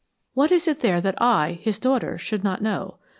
What is there which I, his daughter, should not know?